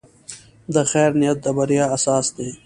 د خیر نیت د بریا اساس دی.